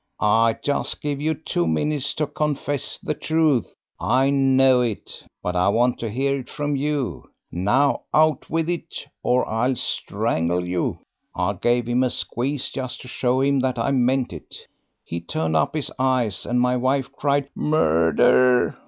'I just give you two minutes to confess the truth; I know it, but I want to hear it from you. Now, out with it, or I'll strangle you.' I gave him a squeeze just to show him that I meant it. He turned up his eyes, and my wife cried, 'Murder!'